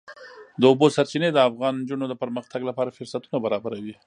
د اوبو سرچینې د افغان نجونو د پرمختګ لپاره فرصتونه برابروي.